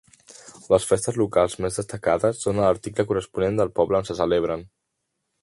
Les festes locals més destacades són a l'article corresponent del poble on se celebren.